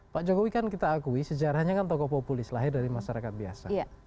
pak jokowi kan kita akui sejarahnya kan tokoh populis lahir dari masyarakat biasa